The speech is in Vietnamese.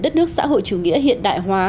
đất nước xã hội chủ nghĩa hiện đại hóa